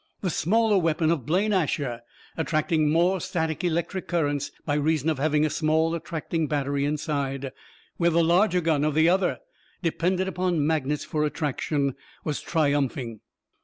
The smaller weapon of Blaine Asher, attracting more static electric currents by reason of having a small attracting battery inside, where the larger gun of the other depended upon magnets for attraction, was triumphing.